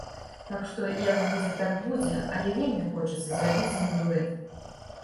Так што, як будзе, так будзе, але вельмі хочацца зрабіць з ім дуэт.